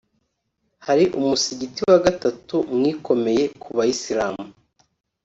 hari umusigiti wa gatatu mu ikomeye ku Bayisilamu